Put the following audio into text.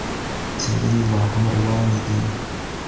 څېړنې لا هم روانې دي.